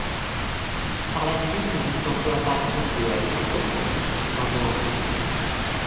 Par la suite, il vit tantôt à Paris et à Aix-en-Provence, tantôt en Suisse.